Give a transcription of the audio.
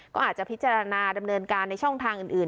ก็อาจจะพิจารณาดำเนินการในช่องทางอื่น